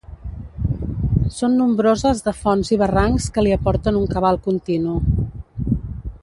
Són nombroses de fonts i barrancs que li aporten un cabal continu.